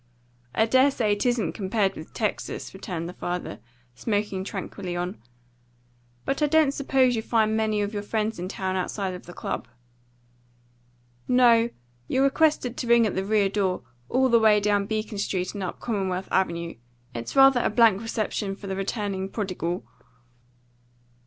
"I dare say it isn't, compared with Texas," returned the father, smoking tranquilly on. "But I don't suppose you find many of your friends in town outside of the club." "No; you're requested to ring at the rear door, all the way down Beacon Street and up Commonwealth Avenue. It's rather a blank reception for the returning prodigal."